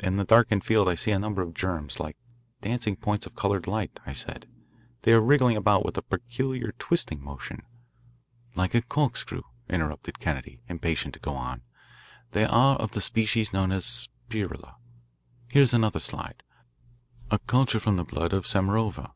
"In the darkened field I see a number of germs like dancing points of coloured light," I said. "They are wriggling about with a peculiar twisting motion." "Like a corkscrew," interrupted Kennedy, impatient to go on. "They are of the species known as Spirilla. Here is another slide, a culture from the blood of Samarova."